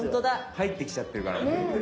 入ってきちゃってるから。